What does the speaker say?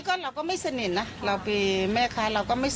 เข้ามาซื้อแล้วก็